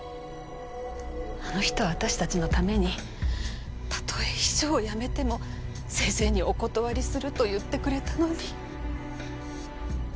あの人は私たちのためにたとえ秘書を辞めても先生にお断りすると言ってくれたのに。